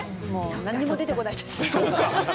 何も出てこないです。